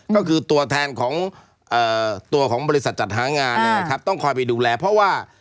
ก็คือตัวแทนของตัวของบริษัทจัดหางานต้องคอยไปดูแลเพราะว่า